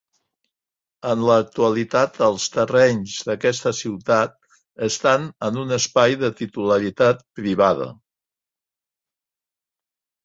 En l'actualitat els terrenys d'aquesta ciutat estan en un espai de titularitat privada.